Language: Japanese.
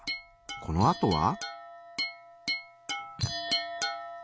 このあとは？